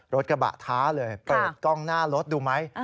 รถกระบะท้าเลยเปิดกล้องหน้ารถดูไหม